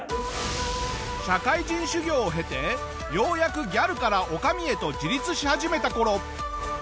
社会人修業を経てようやくギャルから女将へと自立し始めた頃。